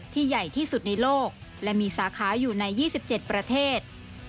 ใหญ่ที่สุดในโลกและมีสาขาอยู่ใน๒๗ประเทศ